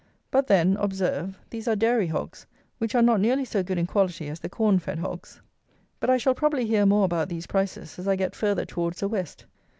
But, then, observe, these are dairy hogs, which are not nearly so good in quality as the corn fed hogs. But I shall probably hear more about these prices as I get further towards the West.